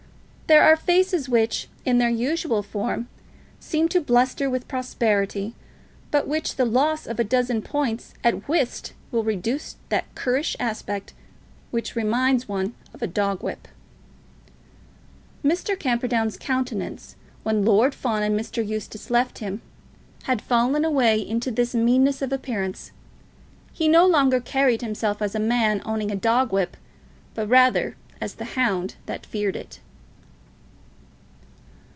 There are faces which, in their usual form, seem to bluster with prosperity, but which the loss of a dozen points at whist will reduce to that currish aspect which reminds one of a dog whip. Mr. Camperdown's countenance, when Lord Fawn and Mr. Eustace left him, had fallen away into this meanness of appearance. He no longer carried himself as a man owning a dog whip, but rather as the hound that feared it.